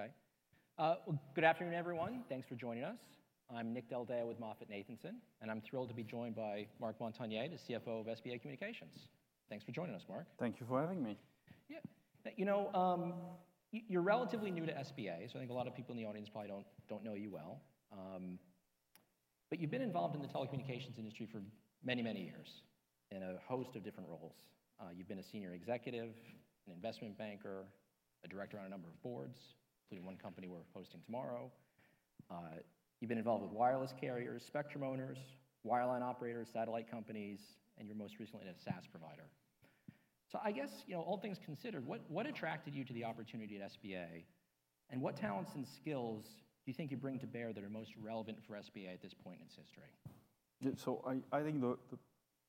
Okay, well, good afternoon, everyone. Thanks for joining us. I'm Nick Del Deo with MoffettNathanson, and I'm thrilled to be joined by Marc Montagner, the CFO of SBA Communications. Thanks for joining us, Marc. Thank you for having me. Yeah. You know, you're relatively new to SBA, so I think a lot of people in the audience probably don't know you well. But you've been involved in the telecommunications industry for many, many years, in a host of different roles. You've been a senior executive, an investment banker, a director on a number of boards, including one company we're hosting tomorrow. You've been involved with wireless carriers, spectrum owners, wireline operators, satellite companies, and you're most recently an SaaS provider. So I guess, you know, all things considered, what attracted you to the opportunity at SBA, and what talents and skills do you think you bring to bear that are most relevant for SBA at this point in its history? Yeah, so I think the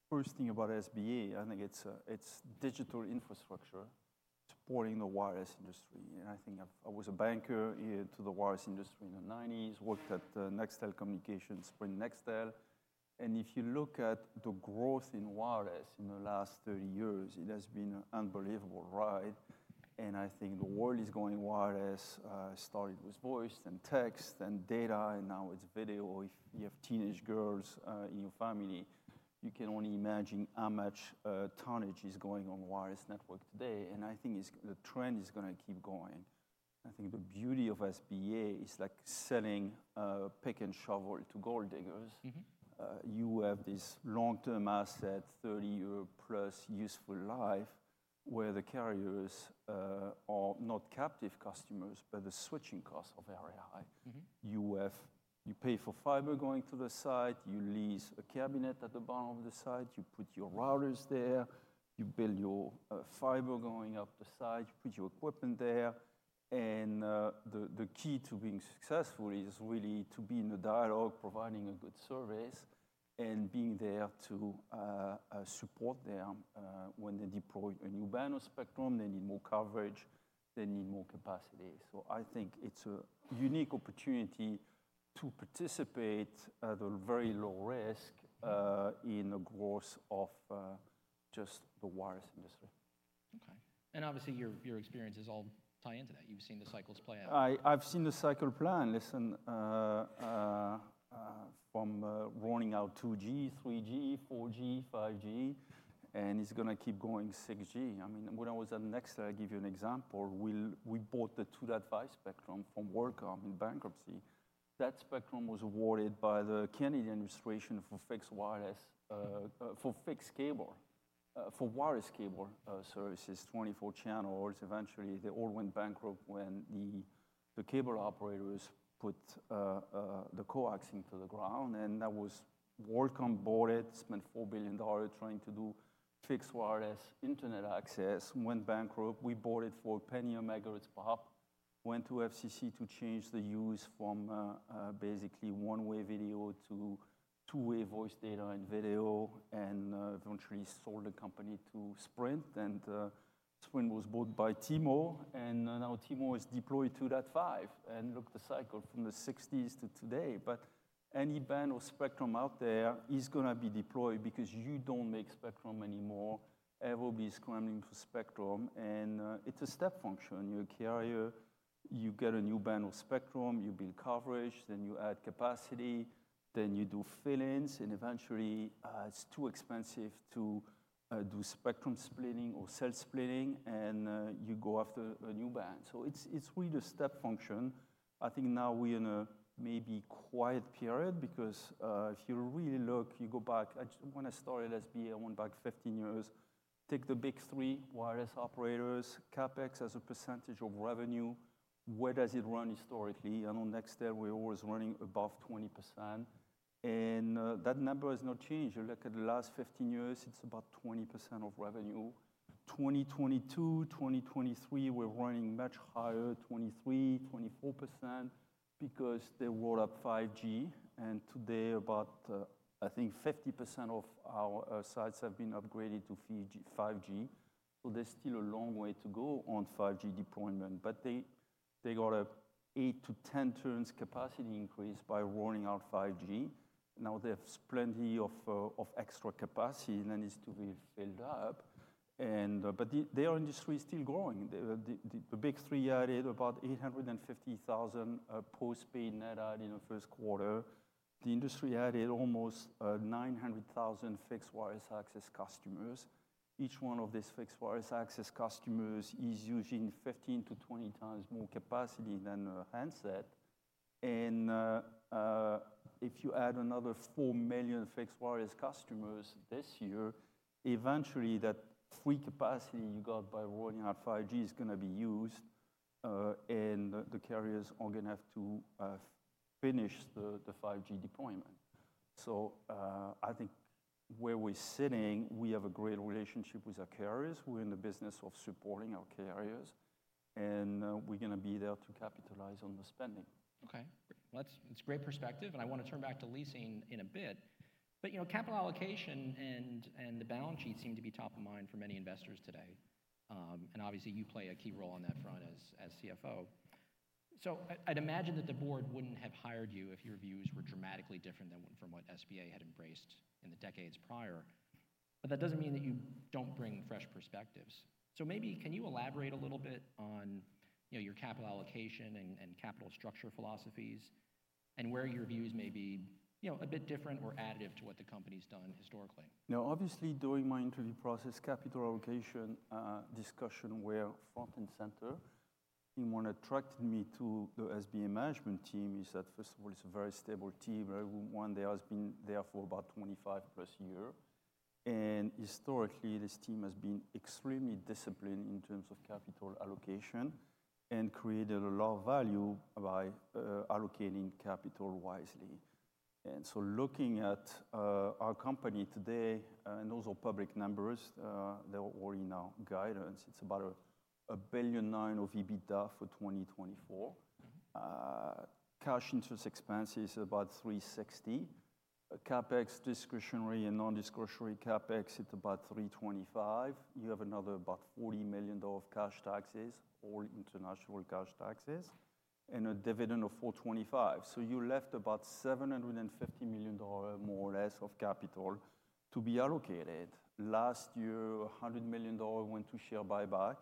first thing about SBA, I think it's digital infrastructure. Supporting the wireless industry. And I think I was a banker to the wireless industry in the 1990s, worked at Nextel Communications, Sprint Nextel. And if you look at the growth in wireless in the last 30 years, it has been an unbelievable ride. And I think the world is going wireless. It started with voice and text and data, and now it's video. If you have teenage girls in your family, you can only imagine how much tonnage is going on wireless networks today. And I think the trend is going to keep going. I think the beauty of SBA is like selling a pick and shovel to gold diggers. You have this long-term asset, 30-year-plus useful life, where the carriers are not captive customers, but the switching costs are very high. You pay for fiber going to the site, you lease a cabinet at the bottom of the site, you put your routers there, you build your fiber going up the site, you put your equipment there. And the key to being successful is really to be in the dialogue, providing a good service, and being there to support them when they deploy a new band of spectrum, they need more coverage, they need more capacity. So I think it's a unique opportunity to participate at a very low risk in the growth of just the wireless industry. Okay. And obviously, your experiences all tie into that. You've seen the cycles play out. I've seen the cycle play, listen, from rolling out 2G, 3G, 4G, 5G, and it's going to keep going 6G. I mean, when I was at Nextel, I'll give you an example. We bought the 2.5 GHz spectrum from WorldCom in bankruptcy. That spectrum was awarded by the Canadian administration for fixed wireless for fixed cable, for wireless cable services, 24 channels. Eventually, they all went bankrupt when the cable operators put the coax into the ground. And that was WorldCom bought it, spent $4 billion trying to do fixed wireless internet access, went bankrupt. We bought it for a penny a megahertz pop, went to FCC to change the use from basically one-way video to two-way voice data and video, and eventually sold the company to Sprint. And Sprint was bought by T-Mobile, and now T-Mobile has deployed 2.5 5G. Look at the cycle from the 1960s to today. But any band of spectrum out there is going to be deployed because you don't make spectrum anymore. Everybody's scrambling for spectrum. And it's a step function. You're a carrier. You get a new band of spectrum. You build coverage. Then you add capacity. Then you do fill-ins. And eventually, it's too expensive to do spectrum splitting or cell splitting, and you go after a new band. So it's really a step function. I think now we're in a maybe quiet period because if you really look, you go back, when I started SBA, I went back 15 years. Take the big three wireless operators. CapEx as a percentage of revenue. Where does it run historically? I know Nextel, we were always running above 20%. And that number has not changed. You look at the last 15 years, it's about 20% of revenue. 2022, 2023, we're running much higher, 23%-24%, because they rolled out 5G. And today, about, I think, 50% of our sites have been upgraded to 5G. So there's still a long way to go on 5G deployment. But they got an 8-10 turns capacity increase by rolling out 5G. Now they have plenty of extra capacity, and then it's to be filled up. But their industry is still growing. The big three added about 850,000 postpaid net add in the first quarter. The industry added almost 900,000 fixed wireless access customers. Each one of these fixed wireless access customers is using 15x-20x more capacity than a handset. If you add another 4 million fixed wireless customers this year, eventually that free capacity you got by rolling out 5G is going to be used, and the carriers are going to have to finish the 5G deployment. I think where we're sitting, we have a great relationship with our carriers. We're in the business of supporting our carriers. We're going to be there to capitalize on the spending. Okay. Well, it's great perspective. And I want to turn back to leasing in a bit. But capital allocation and the balance sheet seem to be top of mind for many investors today. And obviously, you play a key role on that front as CFO. So I'd imagine that the board wouldn't have hired you if your views were dramatically different from what SBA had embraced in the decades prior. But that doesn't mean that you don't bring fresh perspectives. So maybe can you elaborate a little bit on your capital allocation and capital structure philosophies, and where your views may be a bit different or additive to what the company's done historically? Now, obviously, during my interview process, capital allocation discussions were front and center. And what attracted me to the SBA management team is that, first of all, it's a very stable team. One, they have been there for about 25+ years. And historically, this team has been extremely disciplined in terms of capital allocation and created a lot of value by allocating capital wisely. And so looking at our company today, and those are public numbers, they're already in our guidance. It's about $1 billion of EBITDA for 2024. Cash interest expenses are about $360 million. CapEx, discretionary and non-discretionary CapEx, it's about $325 million. You have another about $40 million of cash taxes, all international cash taxes, and a dividend of $425 million. So you left about $750 million, more or less, of capital to be allocated. Last year, $100 million went to share buyback,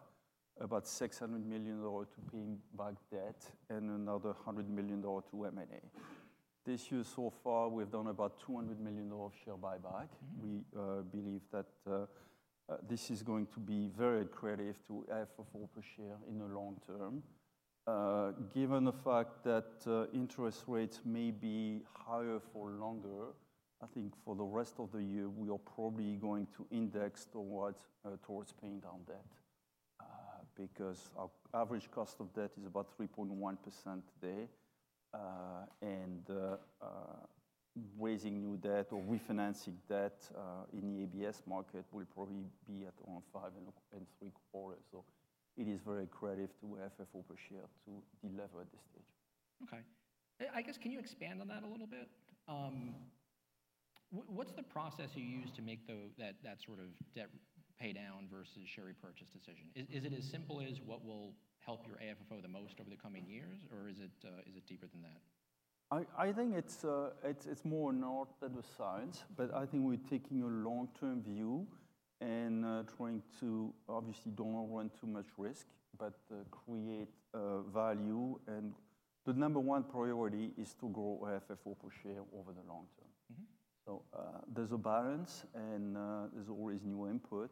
about $600 million to pay back debt, and another $100 million to M&A. This year, so far, we've done about $200 million of share buyback. We believe that this is going to be very accretive to our AFFO per share in the long term. Given the fact that interest rates may be higher for longer, I think for the rest of the year, we are probably going to inch towards paying down debt. Because our average cost of debt is about 3.1% today. Raising new debt or refinancing debt in the ABS market will probably be at around 5.75%. So it is very accretive to our AFFO per share to de-lever at this stage. Okay. I guess, can you expand on that a little bit? What's the process you use to make that sort of debt pay down versus share repurchase decision? Is it as simple as what will help your AFFO the most over the coming years, or is it deeper than that? I think it's more art than science. I think we're taking a long-term view and trying to, obviously, not run too much risk, but create value. The number one priority is to grow AFFO per share over the long term. There's a balance, and there's always new input.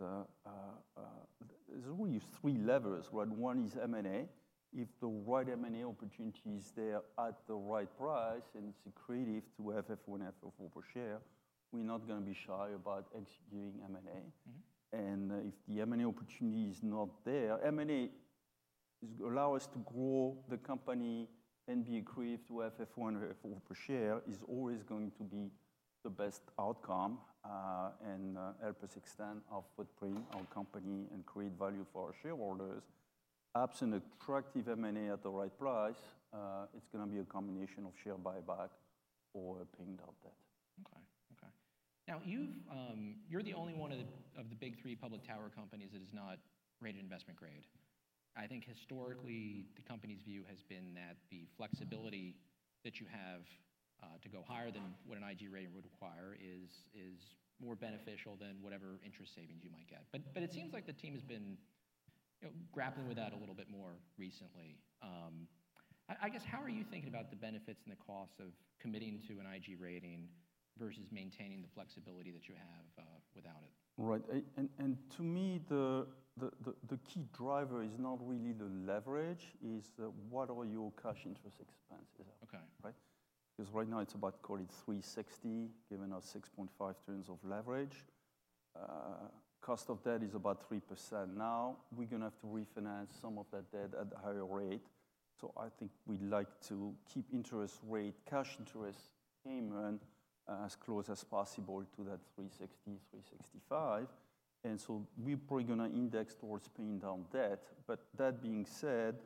There's always three levers, right? One is M&A. If the right M&A opportunity is there at the right price, and it's accretive to have $1, $2, $4 per share, we're not going to be shy about executing M&A. If the M&A opportunity is not there, M&A allows us to grow the company and be accretive to have $1, $2 per share is always going to be the best outcome and help us extend our footprint, our company, and create value for our shareholders. Absent attractive M&A at the right price, it's going to be a combination of share buyback or paying down debt. Okay. Okay. Now, you're the only one of the big three public tower companies that is not rated investment grade. I think historically, the company's view has been that the flexibility that you have to go higher than what an IG rating would require is more beneficial than whatever interest savings you might get. But it seems like the team has been grappling with that a little bit more recently. I guess, how are you thinking about the benefits and the costs of committing to an IG rating versus maintaining the flexibility that you have without it? Right. And to me, the key driver is not really the leverage. It's what are your cash interest expenses? Okay. Right? Because right now, it's about, call it, $360 million, giving us 6.5 turns of leverage. Cost of debt is about 3% now. We're going to have to refinance some of that debt at a higher rate. So I think we'd like to keep interest rate, cash interest payment, as close as possible to that $360 million, $365 million. And so we're probably going to index towards paying down debt. But that being said,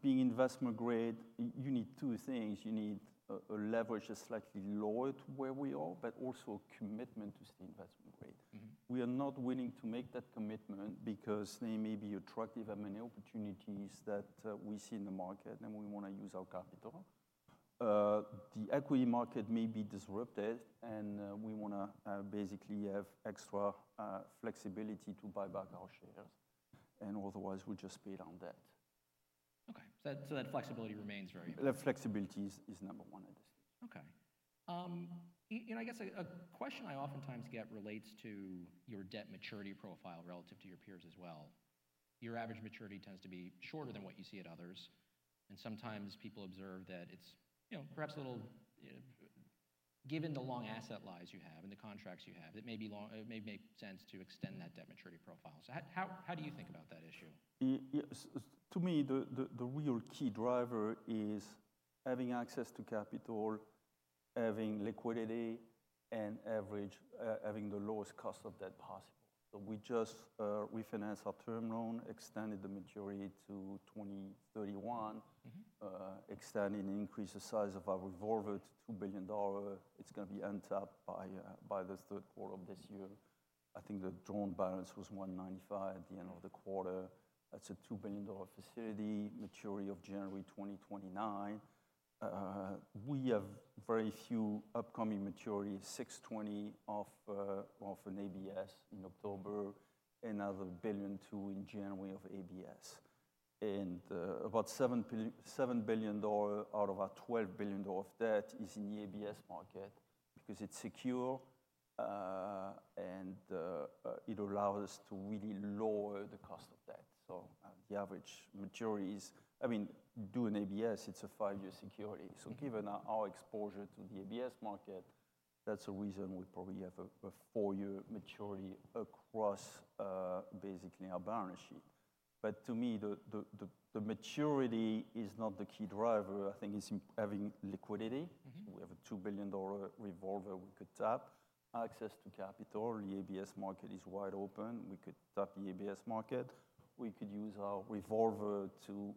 being investment grade, you need two things. You need a leverage that's slightly lower to where we are, but also a commitment to stay investment grade. We are not willing to make that commitment because there may be attractive M&A opportunities that we see in the market, and we want to use our capital. The equity market may be disrupted, and we want to basically have extra flexibility to buy back our shares. Otherwise, we just pay down debt. Okay. So that flexibility remains very. That flexibility is number one at this stage. Okay. I guess a question I oftentimes get relates to your debt maturity profile relative to your peers as well. Your average maturity tends to be shorter than what you see at others. And sometimes people observe that it's perhaps a little given the long asset lives you have and the contracts you have, it may make sense to extend that debt maturity profile. So how do you think about that issue? To me, the real key driver is having access to capital, having liquidity, and, on average, having the lowest cost of debt possible. So we just refinanced our term loan, extended the maturity to 2031, extended and increased the size of our revolver to $2 billion. It's going to be undrawn by the third quarter of this year. I think the drawn balance was $195 million at the end of the quarter. That's a $2 billion facility, maturity of January 2029. We have very few upcoming maturities, $620 million of an ABS in October and another $1 billion or $2 billion in January of ABS. And about $7 billion out of our $12 billion of debt is in the ABS market because it's secure, and it allows us to really lower the cost of debt. So the average maturity is, I mean, doing ABS, it's a 5-year security. So given our exposure to the ABS market, that's a reason we probably have a four-year maturity across basically our balance sheet. But to me, the maturity is not the key driver. I think it's having liquidity. So we have a $2 billion revolver we could tap, access to capital. The ABS market is wide open. We could tap the ABS market. We could use our revolver to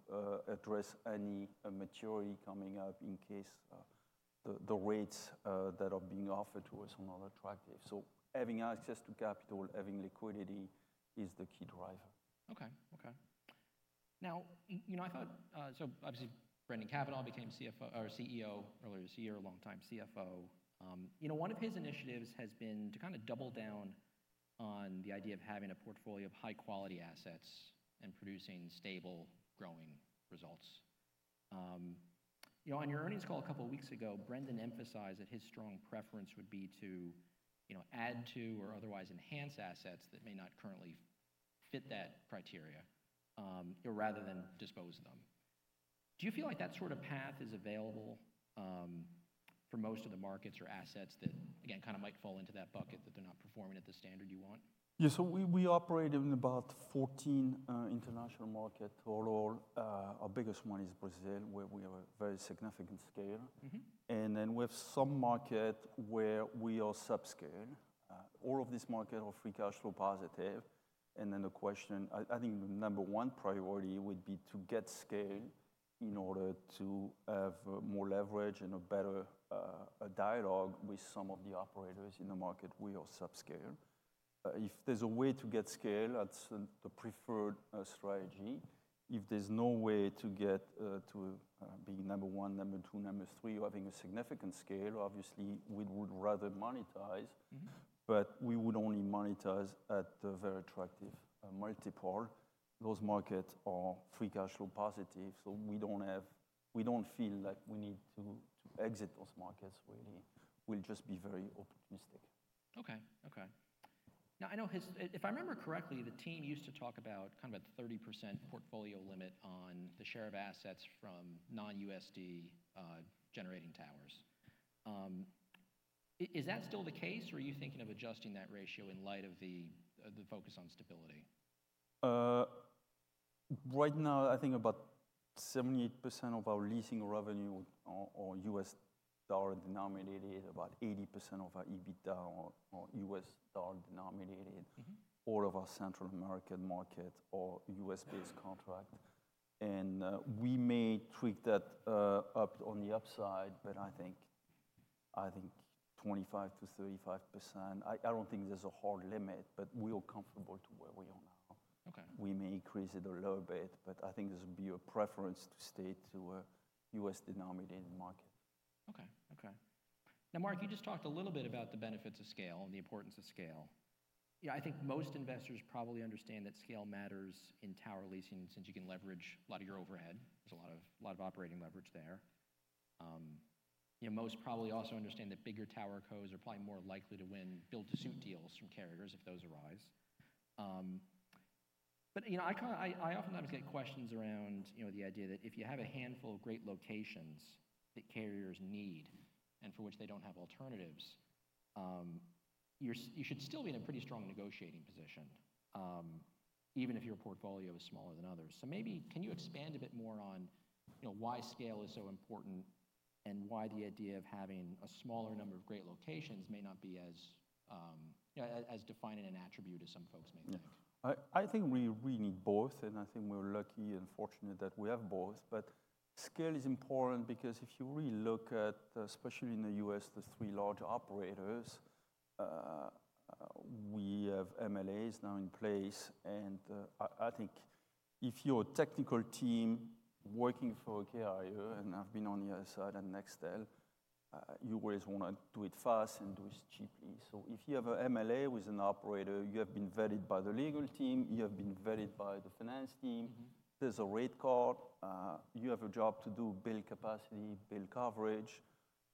address any maturity coming up in case the rates that are being offered to us are not attractive. So having access to capital, having liquidity is the key driver. Okay. Okay. Now, I thought so obviously, Brendan Cavanagh became CEO earlier this year, long-time CFO. One of his initiatives has been to kind of double down on the idea of having a portfolio of high-quality assets and producing stable, growing results. On your earnings call a couple of weeks ago, Brendan emphasized that his strong preference would be to add to or otherwise enhance assets that may not currently fit that criteria rather than dispose of them. Do you feel like that sort of path is available for most of the markets or assets that, again, kind of might fall into that bucket that they're not performing at the standard you want? Yeah. So we operate in about 14 international markets overall. Our biggest one is Brazil, where we have a very significant scale. And then we have some markets where we are subscale. All of these markets are free cash flow positive. And then the question, I think the number one priority would be to get scale in order to have more leverage and a better dialogue with some of the operators in the market we are subscale. If there's a way to get scale, that's the preferred strategy. If there's no way to get to being number one, number two, number three, or having a significant scale, obviously, we would rather monetize. But we would only monetize at the very attractive multiple. Those markets are free cash flow positive. So we don't feel like we need to exit those markets, really. We'll just be very opportunistic. Okay. Okay. Now, I know if I remember correctly, the team used to talk about kind of a 30% portfolio limit on the share of assets from non-USD generating towers. Is that still the case, or are you thinking of adjusting that ratio in light of the focus on stability? Right now, I think about 78% of our leasing revenue are U.S. dollar denominated, about 80% of our EBITDA are U.S. dollar denominated, all of our Central American markets are U.S.-based contracts. We may tweak that up on the upside, but I think 25%-35%. I don't think there's a hard limit, but we are comfortable to where we are now. We may increase it a little bit, but I think there's a preference to stay to a U.S.-denominated market. Okay. Okay. Now, Mark, you just talked a little bit about the benefits of scale and the importance of scale. I think most investors probably understand that scale matters in tower leasing since you can leverage a lot of your overhead. There's a lot of operating leverage there. Most probably also understand that bigger TowerCos are probably more likely to win build-to-suit deals from carriers if those arise. But I oftentimes get questions around the idea that if you have a handful of great locations that carriers need and for which they don't have alternatives, you should still be in a pretty strong negotiating position, even if your portfolio is smaller than others. Maybe can you expand a bit more on why scale is so important and why the idea of having a smaller number of great locations may not be as defined in an attribute, as some folks may think? I think we really need both. I think we're lucky and fortunate that we have both. But scale is important because if you really look at, especially in the U.S., the three large operators, we have MLAs now in place. I think if you're a technical team working for a carrier, and I've been on the other side at Nextel, you always want to do it fast and do it cheaply. If you have an MLA with an operator, you have been vetted by the legal team, you have been vetted by the finance team, there's a rate card, you have a job to do build capacity, build coverage,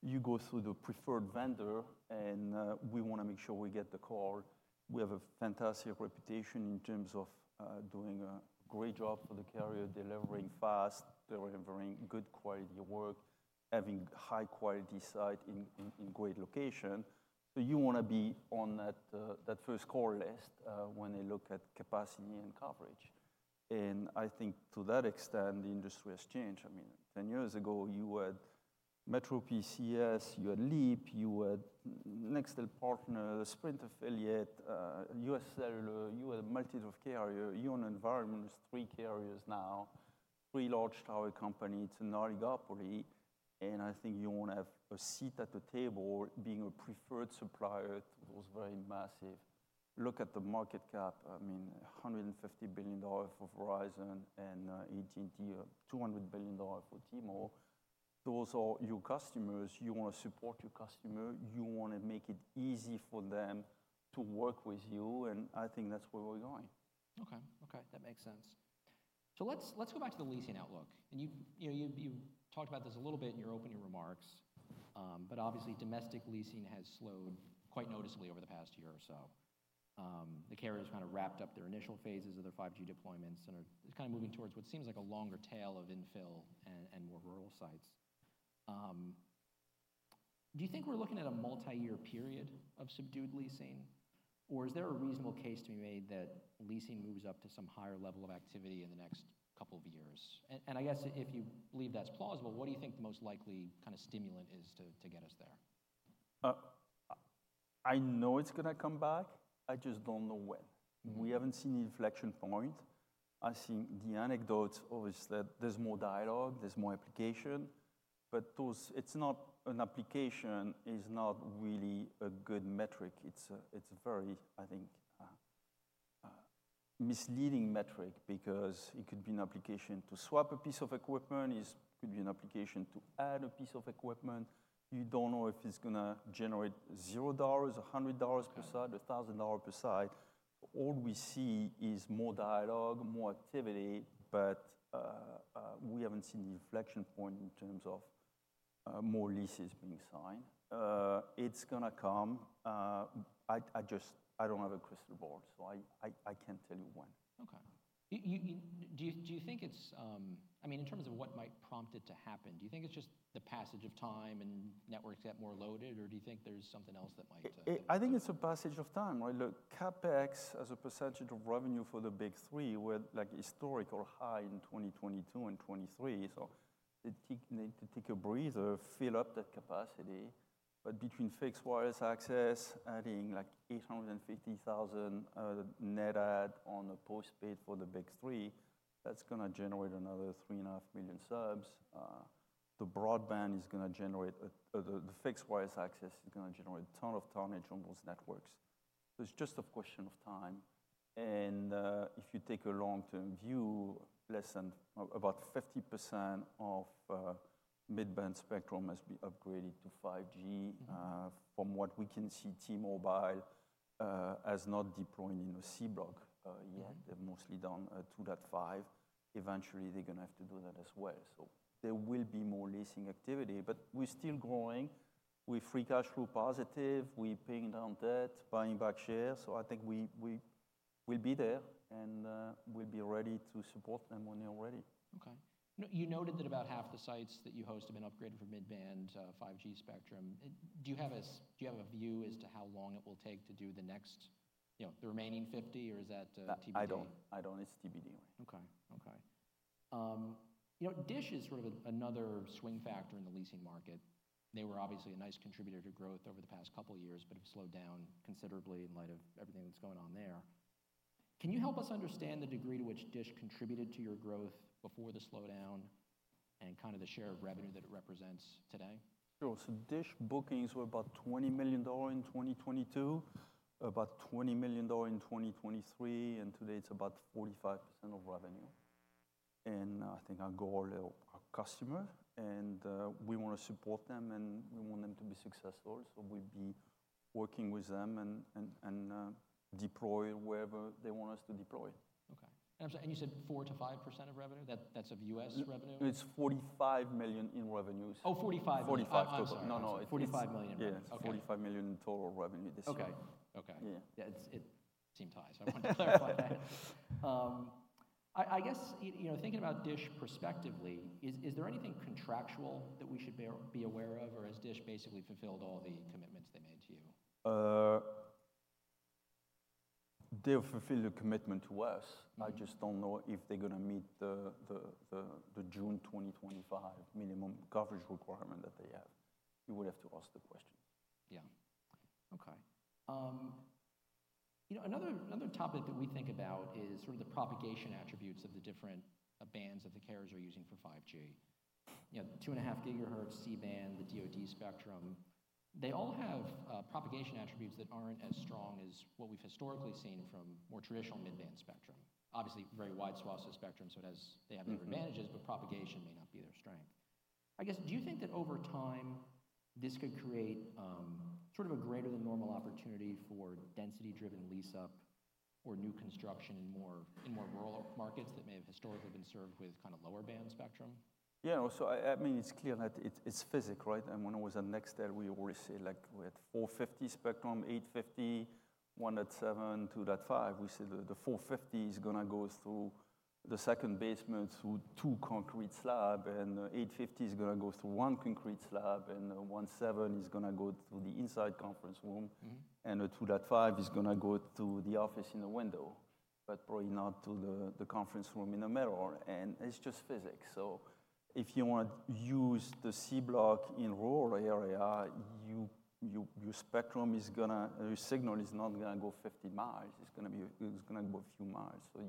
you go through the preferred vendor, and we want to make sure we get the call. We have a fantastic reputation in terms of doing a great job for the carrier, delivering fast, delivering good quality work, having high-quality sites in great locations. So you want to be on that first call list when they look at capacity and coverage. And I think to that extent, the industry has changed. I mean, 10 years ago, you had MetroPCS, you had Leap, you had Nextel Partners, Sprint Affiliate, UScellular, you had a multitude of carriers. Your environment is three carriers now, three large tower companies and oligopoly. And I think you want to have a seat at the table being a preferred supplier to those very massive. Look at the market cap. I mean, $150 billion for Verizon and AT&T, $200 billion for T-Mobile. Those are your customers. You want to support your customer. You want to make it easy for them to work with you. I think that's where we're going. Okay. Okay. That makes sense. Let's go back to the leasing outlook. You've talked about this a little bit in your opening remarks. Obviously, domestic leasing has slowed quite noticeably over the past year or so. The carriers have kind of wrapped up their initial phases of their 5G deployments and are kind of moving towards what seems like a longer tail of infill and more rural sites. Do you think we're looking at a multiyear period of subdued leasing, or is there a reasonable case to be made that leasing moves up to some higher level of activity in the next couple of years? And I guess if you believe that's plausible, what do you think the most likely kind of stimulant is to get us there? I know it's going to come back. I just don't know when. We haven't seen an inflection point. I think the anecdote is that there's more dialogue, there's more application. But it's not. An application is not really a good metric. It's a very, I think, misleading metric because it could be an application to swap a piece of equipment. It could be an application to add a piece of equipment. You don't know if it's going to generate $0, $100 per site, $1,000 per site. All we see is more dialogue, more activity. But we haven't seen an inflection point in terms of more leases being signed. It's going to come. I don't have a crystal ball, so I can't tell you when. Okay. Do you think it's, I mean, in terms of what might prompt it to happen, do you think it's just the passage of time and networks get more loaded, or do you think there's something else that might? I think it's a passage of time, right? Look, CapEx, as a percentage of revenue for the big three, were historically high in 2022 and 2023. So they need to take a breather, fill up that capacity. But between fixed wireless access, adding like $850,000 net add on a postpaid for the big three, that's going to generate another $3.5 million subs. The broadband is going to generate the fixed wireless access is going to generate a ton of tonnage on those networks. So it's just a question of time. And if you take a long-term view, less than about 50% of midband spectrum has been upgraded to 5G from what we can see, T-Mobile has not deployed in a C block yet. They've mostly done 2.5 GHz. Eventually, they're going to have to do that as well. So there will be more leasing activity. But we're still growing. We're free cash flow positive. We're paying down debt, buying back shares. So I think we'll be there, and we'll be ready to support them when they're ready. Okay. You noted that about half the sites that you host have been upgraded for mid-band 5G spectrum. Do you have a view as to how long it will take to do the next, the remaining 50%, or is that TBD? I don't. It's TBD, right? Okay. Okay. DISH is sort of another swing factor in the leasing market. They were obviously a nice contributor to growth over the past couple of years, but have slowed down considerably in light of everything that's going on there. Can you help us understand the degree to which DISH contributed to your growth before the slowdown and kind of the share of revenue that it represents today? Sure. So DISH bookings were about $20 million in 2022, about $20 million in 2023. And today, it's about 45% of revenue. And I think our goal is our customer. And we want to support them, and we want them to be successful. So we'll be working with them and deploying wherever they want us to deploy. Okay. And you said 4%-5% of revenue? That's of U.S. revenue? It's $45 million in revenue. Oh, $45 million. $45 million total. No, no. $45 million. Yeah. $45 million in total revenue this year. Okay. Okay. Yeah. It seemed high, so I wanted to clarify that. I guess thinking about DISH prospectively, is there anything contractual that we should be aware of, or has DISH basically fulfilled all the commitments they made to you? They've fulfilled the commitment to us. I just don't know if they're going to meet the June 2025 minimum coverage requirement that they have. You would have to ask the questions. Yeah. Okay. Another topic that we think about is sort of the propagation attributes of the different bands that the carriers are using for 5G. 2.5 GHz, C-band, the DoD spectrum, they all have propagation attributes that aren't as strong as what we've historically seen from more traditional mid-band spectrum. Obviously, very wide swaths of spectrum. So they have their advantages, but propagation may not be their strength. I guess, do you think that over time, this could create sort of a greater-than-normal opportunity for density-driven lease-up or new construction in more rural markets that may have historically been served with kind of lower band spectrum? Yeah. So I mean, it's clear that it's physics, right? And when I was at Nextel, we always said we had 450 spectrum, 850, 1.7 GHz, 2.5 GHz. We said the 450 is going to go through the second basement through 2 concrete slabs. And the 850 is going to go through one concrete slab. And the 1.7 GHz is going to go through the inside conference room. And the 2.5 GHz is going to go through the office in the window, but probably not through the conference room in the mirror. And it's just physics. So if you want to use the C-band in rural areas, your spectrum is going to your signal is not going to go 50 mi. It's going to go a few miles. So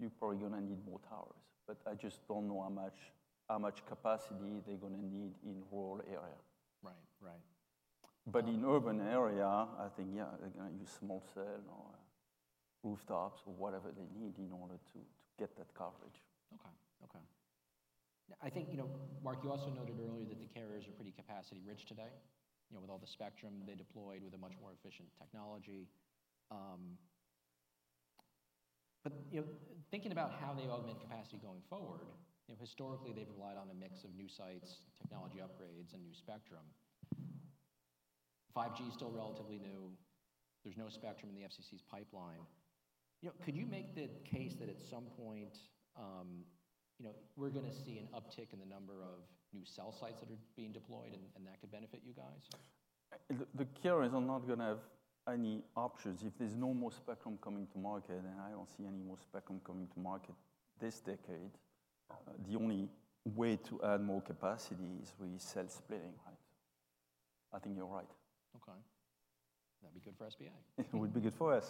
you're probably going to need more towers. But I just don't know how much capacity they're going to need in rural areas. Right. Right. But in urban areas, I think, yeah, they're going to use small cell or rooftops or whatever they need in order to get that coverage. Okay. Okay. I think, Marc, you also noted earlier that the carriers are pretty capacity-rich today with all the spectrum they deployed with a much more efficient technology. But thinking about how they augment capacity going forward, historically, they've relied on a mix of new sites, technology upgrades, and new spectrum. 5G is still relatively new. There's no spectrum in the FCC's pipeline. Could you make the case that at some point, we're going to see an uptick in the number of new cell sites that are being deployed, and that could benefit you guys? The carriers are not going to have any options. If there's no more spectrum coming to market, and I don't see any more spectrum coming to market this decade, the only way to add more capacity is really cell splitting, right? I think you're right. Okay. That'd be good for SBA. It would be good for us.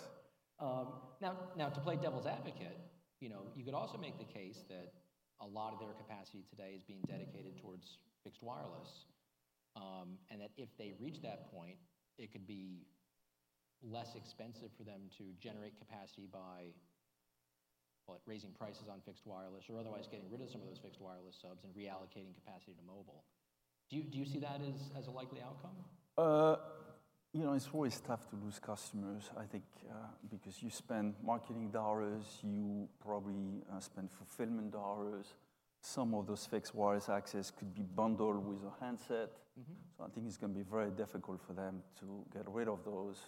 Now, to play devil's advocate, you could also make the case that a lot of their capacity today is being dedicated towards fixed wireless and that if they reach that point, it could be less expensive for them to generate capacity by, call it, raising prices on fixed wireless or otherwise getting rid of some of those fixed wireless subs and reallocating capacity to mobile. Do you see that as a likely outcome? It's always tough to lose customers, I think, because you spend marketing dollars. You probably spend fulfillment dollars. Some of those fixed wireless access could be bundled with a handset. So I think it's going to be very difficult for them to get rid of those.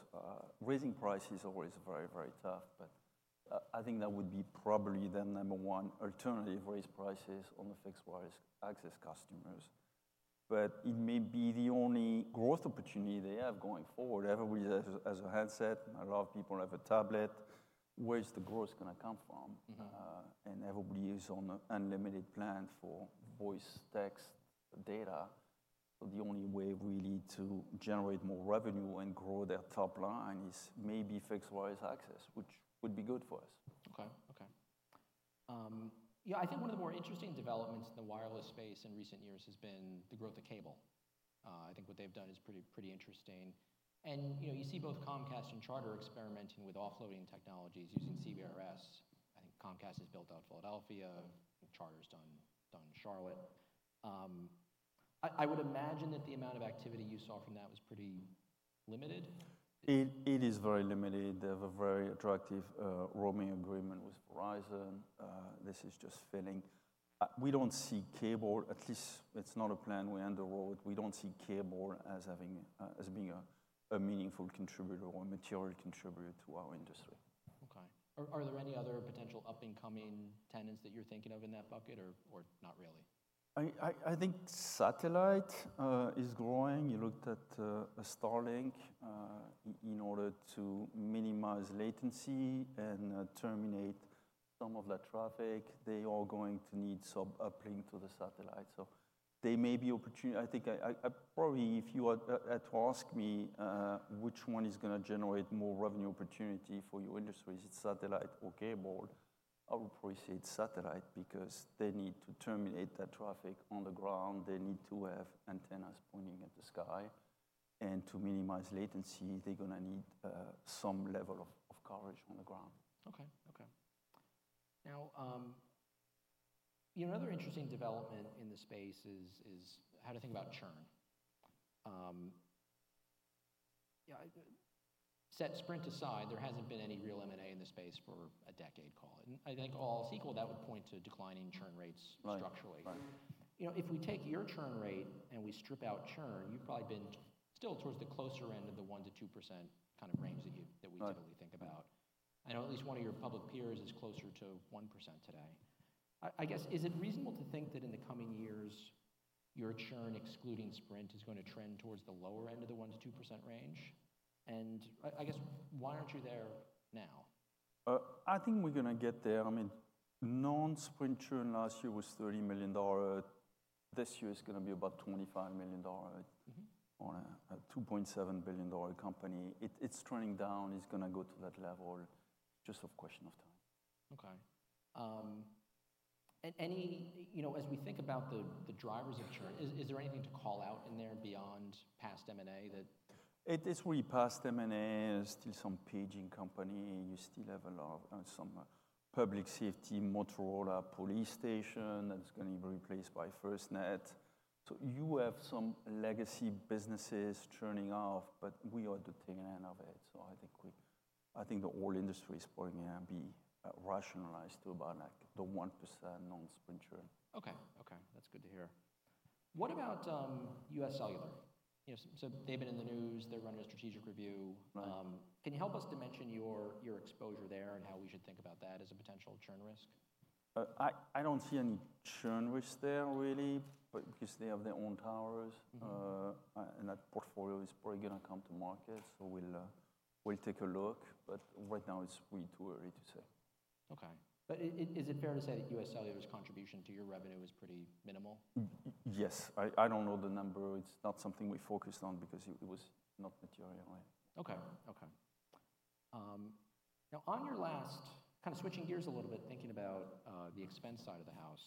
Raising prices is always very, very tough. But I think that would be probably their number one alternative: raise prices on the fixed wireless access customers. But it may be the only growth opportunity they have going forward. Everybody has a handset. A lot of people have a tablet. Where is the growth going to come from? And everybody is on an unlimited plan for voice, text, data. So the only way really to generate more revenue and grow their top line is maybe fixed wireless access, which would be good for us. Okay. Okay. I think one of the more interesting developments in the wireless space in recent years has been the growth of cable. I think what they've done is pretty interesting. You see both Comcast and Charter experimenting with offloading technologies using CBRS. I think Comcast has built out Philadelphia. Charter has done Charlotte. I would imagine that the amount of activity you saw from that was pretty limited. It is very limited. They have a very attractive roaming agreement with Verizon. This is just failing. We don't see cable, at least it's not a plan we underwrote, we don't see cable as being a meaningful contributor or a material contributor to our industry. Okay. Are there any other potential up-and-coming tenants that you're thinking of in that bucket or not really? I think satellite is growing. You looked at Starlink in order to minimize latency and terminate some of that traffic. They are going to need some uplink to the satellite. So they may be opportunities. I think probably if you were to ask me which one is going to generate more revenue opportunity for your industry, is it satellite or cable? I would probably say it's satellite because they need to terminate that traffic on the ground. They need to have antennas pointing at the sky. And to minimize latency, they're going to need some level of coverage on the ground. Okay. Okay. Now, another interesting development in the space is how to think about churn. Set Sprint aside, there hasn't been any real M&A in the space for a decade, call it. And I think all else equal that would point to declining churn rates structurally. If we take your churn rate and we strip out churn, you've probably been still towards the closer end of the 1%-2% kind of range that we typically think about. I know at least one of your public peers is closer to 1% today. I guess, is it reasonable to think that in the coming years, your churn excluding Sprint is going to trend towards the lower end of the 1%-2% range? And I guess, why aren't you there now? I think we're going to get there. I mean, non-Sprint churn last year was $30 million. This year it's going to be about $25 million on a $2.7 billion company. It's trending down. It's going to go to that level. Just a question of time. Okay. As we think about the drivers of churn, is there anything to call out in there beyond past M&A that? It's really past M&A. Still some paging company. You still have a lot of some public safety, Motorola, police station that's going to be replaced by FirstNet. So you have some legacy businesses churning off, but we are the taking end of it. So I think the whole industry is probably going to be rationalized to about the 1% non-Sprint churn. Okay. Okay. That's good to hear. What about UScellular? They've been in the news. They're running a strategic review. Can you help us dimension your exposure there and how we should think about that as a potential churn risk? I don't see any churn risk there, really, because they have their own towers. And that portfolio is probably going to come to market. So we'll take a look. But right now, it's way too early to say. Okay. But is it fair to say that UScellular's contribution to your revenue is pretty minimal? Yes. I don't know the number. It's not something we focused on because it was not material, right? Okay. Okay. Now, on your last kind of switching gears a little bit, thinking about the expense side of the house,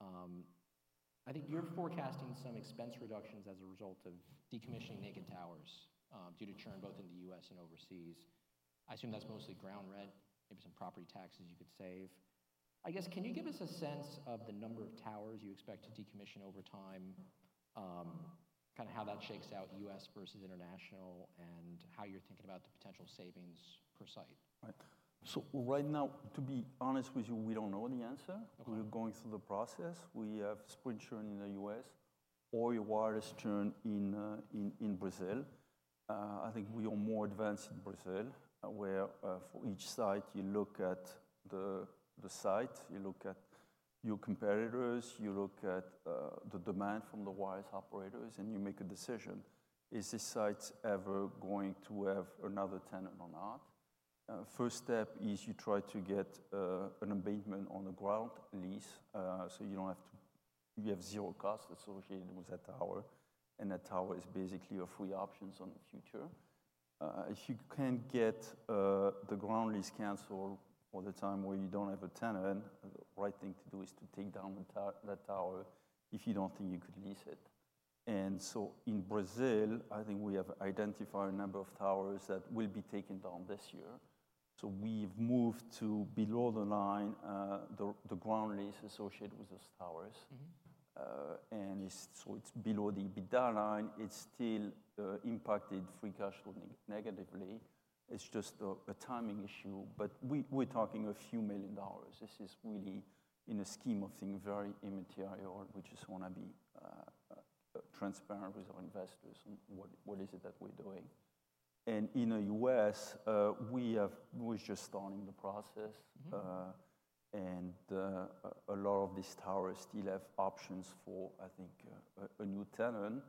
I think you're forecasting some expense reductions as a result of decommissioning naked towers due to churn both in the U.S. and overseas. I assume that's mostly ground rent, maybe some property taxes you could save. I guess, can you give us a sense of the number of towers you expect to decommission over time, kind of how that shakes out U.S. versus international, and how you're thinking about the potential savings per site? Right. So right now, to be honest with you, we don't know the answer. We're going through the process. We have Sprint churn in the U.S. or wireless churn in Brazil. I think we are more advanced in Brazil, where for each site, you look at the site. You look at your competitors. You look at the demand from the wireless operators. And you make a decision. Is this site ever going to have another tenant or not? First step is you try to get an abatement on the ground lease so you don't have to, you have zero costs associated with that tower. And that tower is basically your free options in the future. If you can't get the ground lease canceled all the time where you don't have a tenant, the right thing to do is to take down that tower if you don't think you could lease it. And so in Brazil, I think we have identified a number of towers that will be taken down this year. So we've moved to below the line the ground lease associated with those towers. And so it's below the EBITDA line. It's still impacted free cash flow negatively. It's just a timing issue. But we're talking a few million dollars. This is really, in a scheme of things, very immaterial, which is going to be transparent with our investors on what is it that we're doing. And in the U.S., we're just starting the process. And a lot of these towers still have options for, I think, a new tenant.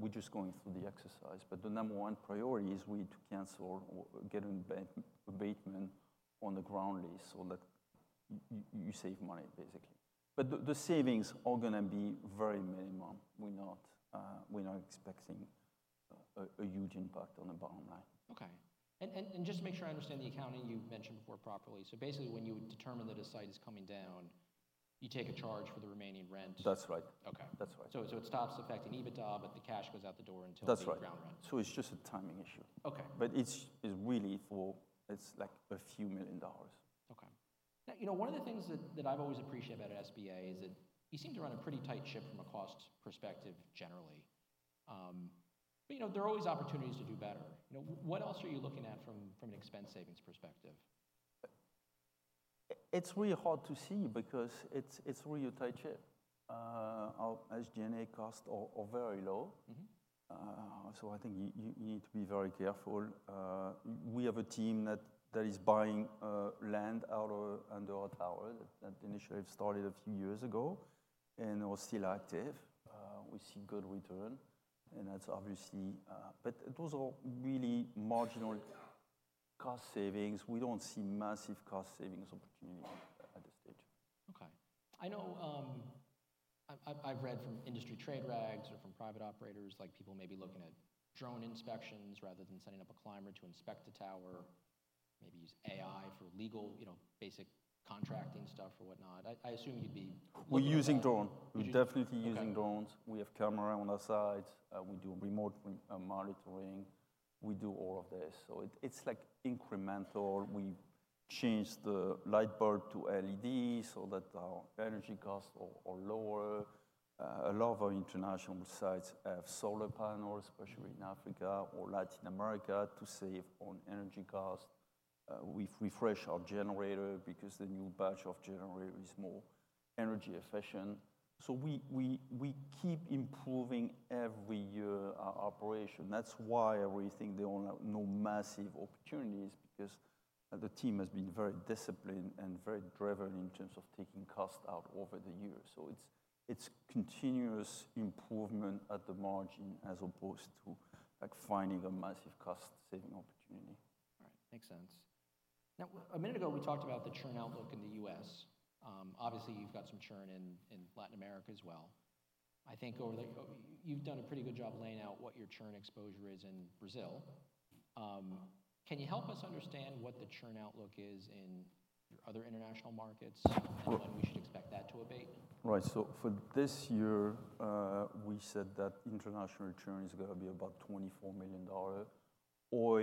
We're just going through the exercise. The number one priority is really to cancel or get an abatement on the ground lease so that you save money, basically. The savings are going to be very minimum. We're not expecting a huge impact on the bottom line. Okay. Just to make sure I understand the accounting you mentioned before properly, so basically, when you determine that a site is coming down, you take a charge for the remaining rent. That's right. That's right. Okay. So it stops affecting EBITDA, but the cash goes out the door until the ground rent. That's right. So it's just a timing issue. But it's really, it's like a few million dollars. Okay. Now, one of the things that I've always appreciated about SBA is that you seem to run a pretty tight ship from a cost perspective, generally. But there are always opportunities to do better. What else are you looking at from an expense savings perspective? It's really hard to see because it's really a tight ship. Our SG&A costs are very low. So I think you need to be very careful. We have a team that is buying land outright under our tower. That initiative started a few years ago and are still active. We see good return. And that's obvious, but those are really marginal cost savings. We don't see massive cost savings opportunities at this stage. Okay. I know I've read from industry trade rags or from private operators, people may be looking at drone inspections rather than sending up a climber to inspect a tower, maybe use AI for legal, basic contracting stuff or whatnot. I assume you'd be. We're using drones. We're definitely using drones. We have cameras on our sides. We do remote monitoring. We do all of this. So it's incremental. We changed the light bulb to LED so that our energy costs are lower. A lot of our international sites have solar panels, especially in Africa or Latin America, to save on energy costs. We've refreshed our generator because the new batch of generators is more energy efficient. So we keep improving every year our operation. That's why I really think they all have no massive opportunities because the team has been very disciplined and very driven in terms of taking costs out over the years. So it's continuous improvement at the margin as opposed to finding a massive cost-saving opportunity. All right. Makes sense. Now, a minute ago, we talked about the churn outlook in the U.S. Obviously, you've got some churn in Latin America as well. I think you've done a pretty good job laying out what your churn exposure is in Brazil. Can you help us understand what the churn outlook is in your other international markets and when we should expect that to abate? Right. So for this year, we said that international churn is going to be about $24 million. All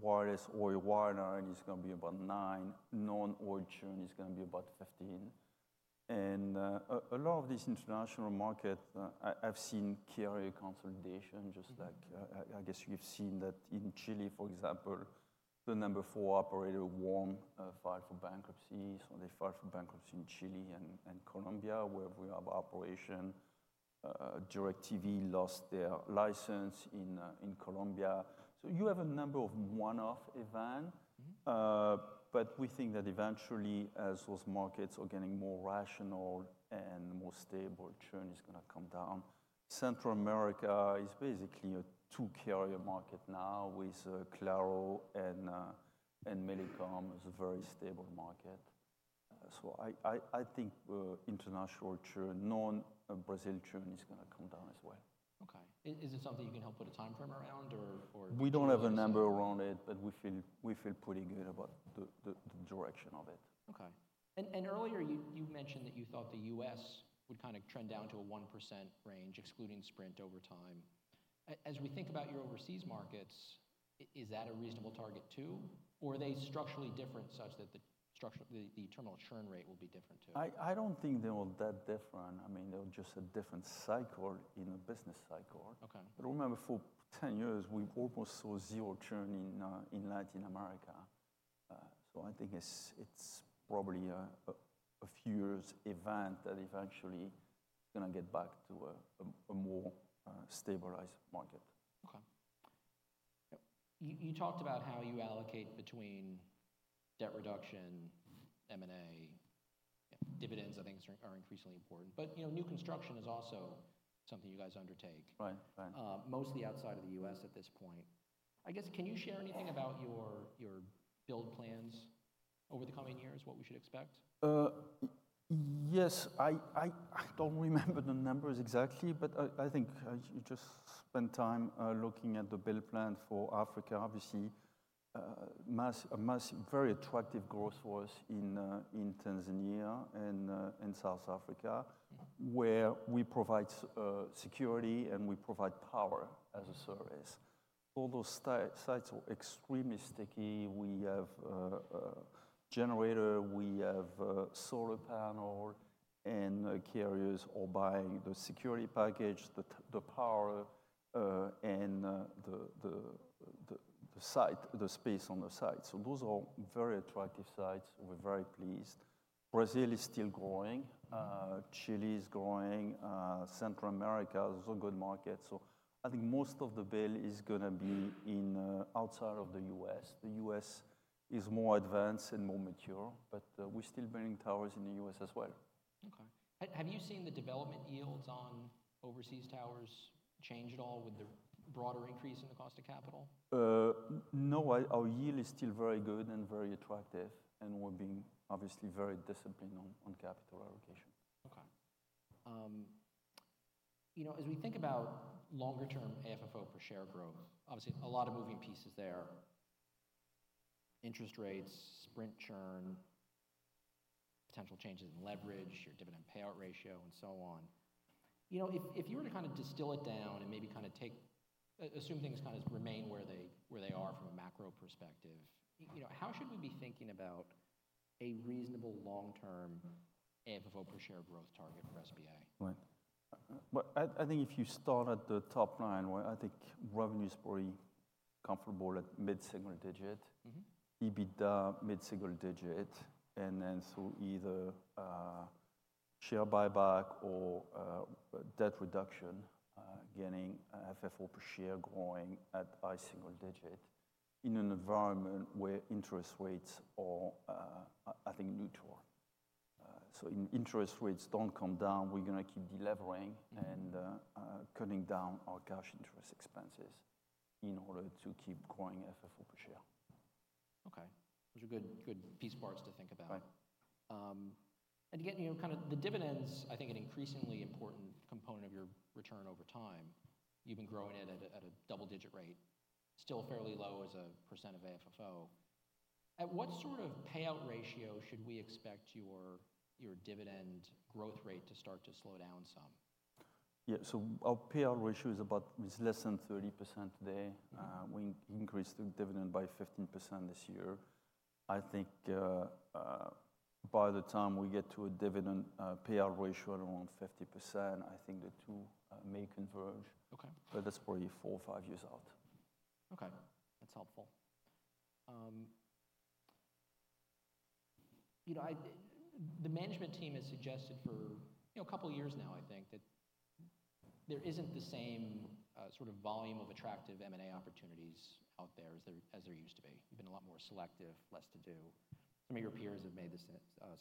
wireless, all wireline, is going to be about $9 million. Non-Oi churn is going to be about $15 million. And a lot of these international markets, I've seen carrier consolidation. Just like I guess you've seen that in Chile, for example, the number four operator, WOM, filed for bankruptcy. So they filed for bankruptcy in Chile and Colombia, where we have an operation. DirecTV lost their license in Colombia. So you have a number of one-off events. But we think that eventually, as those markets are getting more rational and more stable, churn is going to come down. Central America is basically a two-carrier market now with Claro and Millicom. It's a very stable market. So I think international churn, non-Brazil churn, is going to come down as well. Okay. Is it something you can help put a time frame around or? We don't have a number around it, but we feel pretty good about the direction of it. Okay. Earlier, you mentioned that you thought the U.S. would kind of trend down to a 1% range excluding Sprint over time. As we think about your overseas markets, is that a reasonable target too? Or are they structurally different such that the terminal churn rate will be different too? I don't think they are that different. I mean, they are just a different cycle in a business cycle. But remember, for 10 years, we almost saw zero churn in Latin America. So I think it's probably a few years' event that eventually is going to get back to a more stabilized market. Okay. You talked about how you allocate between debt reduction, M&A, dividends, I think, are increasingly important. But new construction is also something you guys undertake, mostly outside of the U.S. at this point. I guess, can you share anything about your build plans over the coming years, what we should expect? Yes. I don't remember the numbers exactly, but I think you just spend time looking at the build plan for Africa. Obviously, a very attractive growth was in Tanzania and South Africa, where we provide security and we provide power as a service. All those sites are extremely sticky. We have a generator. We have solar panels. And carriers are buying the security package, the power, and the site, the space on the site. So those are very attractive sites. We're very pleased. Brazil is still growing. Chile is growing. Central America, those are good markets. So I think most of the build is going to be outside of the U.S. The U.S. is more advanced and more mature. But we're still building towers in the U.S. as well. Okay. Have you seen the development yields on overseas towers change at all with the broader increase in the cost of capital? No. Our yield is still very good and very attractive. We're being obviously very disciplined on capital allocation. Okay. As we think about longer-term AFFO per share growth, obviously, a lot of moving pieces there: interest rates, Sprint churn, potential changes in leverage, your dividend payout ratio, and so on. If you were to kind of distill it down and maybe kind of take assume things kind of remain where they are from a macro perspective, how should we be thinking about a reasonable long-term AFFO per share growth target for SBA? Right. I think if you start at the top line, I think revenue is pretty comfortable at mid-single digit, EBITDA mid-single digit. And then so either share buyback or debt reduction getting FFO per share growing at high single digit in an environment where interest rates are, I think, neutral. So if interest rates don't come down, we're going to keep delivering and cutting down our cash interest expenses in order to keep growing FFO per share. Okay. Those are good piece parts to think about. And again, kind of the dividends, I think, an increasingly important component of your return over time. You've been growing it at a double-digit rate, still fairly low as a percent of AFFO. At what sort of payout ratio should we expect your dividend growth rate to start to slow down some? Yeah. So our payout ratio is about, it's less than 30% today. We increased the dividend by 15% this year. I think by the time we get to a dividend payout ratio at around 50%, I think the two may converge. But that's probably four or five years out. Okay. That's helpful. The management team has suggested for a couple of years now, I think, that there isn't the same sort of volume of attractive M&A opportunities out there as there used to be. You've been a lot more selective, less to do. Some of your peers have made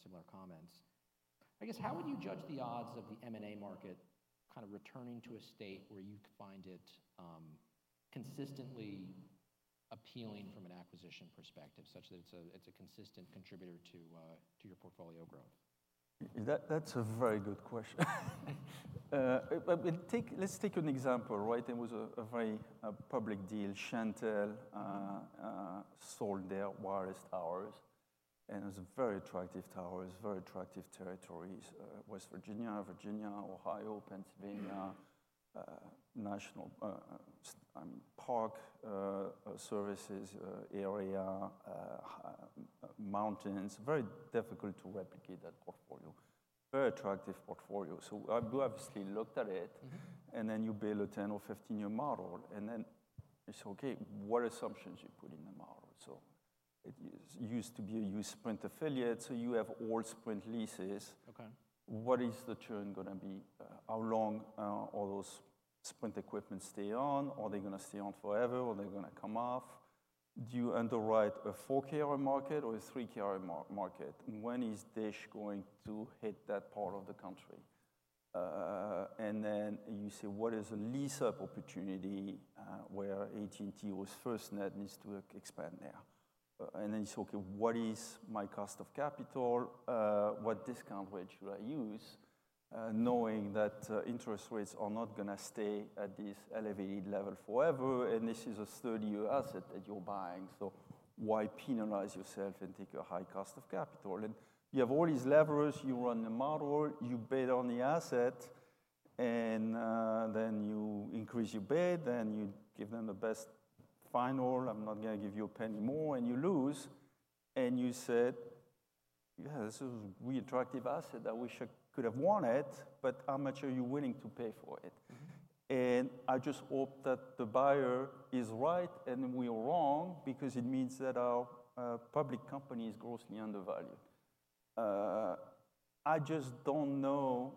similar comments. I guess, how would you judge the odds of the M&A market kind of returning to a state where you find it consistently appealing from an acquisition perspective such that it's a consistent contributor to your portfolio growth? That's a very good question. Let's take an example, right? It was a very public deal. Shentel sold their wireless towers. And it was a very attractive tower, very attractive territories: West Virginia, Virginia, Ohio, Pennsylvania, national, I mean, park services area, mountains. Very difficult to replicate that portfolio. Very attractive portfolio. So I've obviously looked at it. And then you build a 10-year or 15-year model. And then it's okay. What assumptions do you put in the model? So it used to be a used Sprint affiliate. So you have all Sprint leases. What is the churn going to be? How long are those Sprint equipments staying on? Are they going to stay on forever? Are they going to come off? Do you underwrite a 4G market or a 3G market? When is DISH going to hit that part of the country? And then you say, what is a lease-up opportunity where AT&T or FirstNet needs to expand there? And then it's okay. What is my cost of capital? What discount rate should I use knowing that interest rates are not going to stay at this elevated level forever? And this is a sturdy asset that you're buying. So why penalize yourself and take a high cost of capital? And you have all these leverages. You run the model. You bid on the asset. And then you increase your bid. Then you give them the best final. I'm not going to give you a penny more. And you lose. And you said, yeah, this is a really attractive asset. I wish I could have won it. But I'm not sure you're willing to pay for it. I just hope that the buyer is right and we are wrong because it means that our public company is grossly undervalued. I just don't know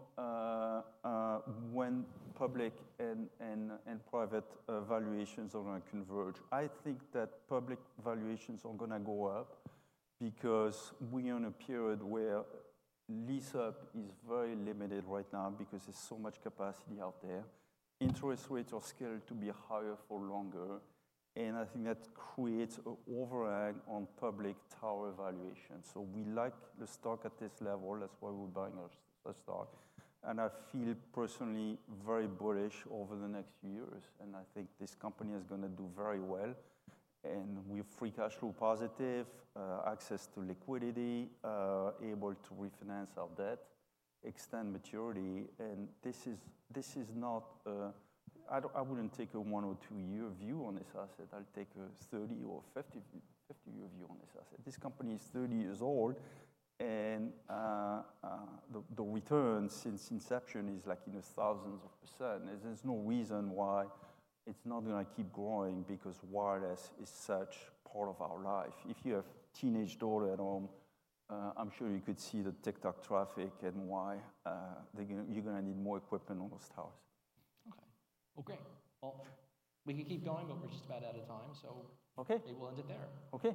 when public and private valuations are going to converge. I think that public valuations are going to go up because we're in a period where lease-up is very limited right now because there's so much capacity out there. Interest rates are scheduled to be higher for longer. And I think that creates an overhang on public tower valuations. So we like the stock at this level. That's why we're buying such a stock. And I feel personally very bullish over the next few years. And I think this company is going to do very well. And we have free cash flow positive, access to liquidity, able to refinance our debt, extend maturity. This is not a I wouldn't take a 1-year or 2-year view on this asset. I'd take a 30-year or 50-year view on this asset. This company is 30 years old. The return since inception is like in the thousands of %. There's no reason why it's not going to keep growing because wireless is such a part of our life. If you have a teenage daughter at home, I'm sure you could see the TikTok traffic and why you're going to need more equipment on those towers. Okay. Well, great. Well, we can keep going, but we're just about out of time. So maybe we'll end it there. Okay.